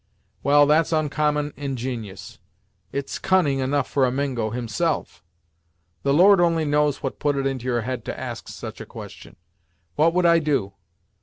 "Well, that's oncommon ingen'ous; it's cunning enough for a Mingo, himself! The Lord only knows what put it into your head to ask such a question. What would I do?